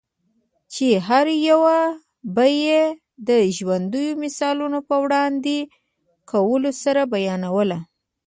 چي هره یوه به یې د ژوندییو مثالو په وړاندي کولو سره بیانوله؛